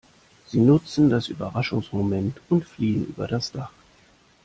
Sie nutzen das Überraschungsmoment und fliehen über das Dach.